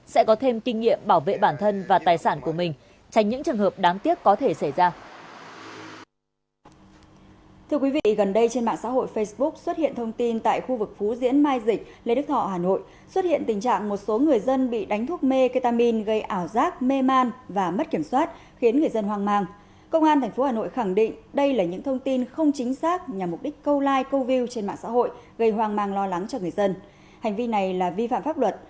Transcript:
sẽ có thêm kinh nghiệm bảo vệ bản thân và tài sản của mình tránh những trường hợp đáng tiếc có thể xảy ra